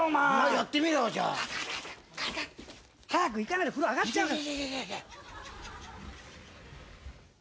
早く行かないと風呂上がっちゃうから。